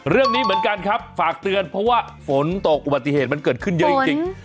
เรื่องนี้เหมือนกันครับฝากเตือนเพราะว่าฝนตกอุบัติเหตุมันเกิดขึ้นเยอะจริง